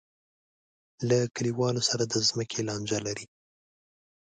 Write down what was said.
له کلیوالو سره د ځمکې لانجه لري.